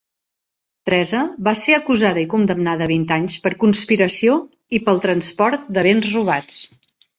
Teresa va ser acusada i condemnada a vint anys per conspiració i pel transport de béns robats.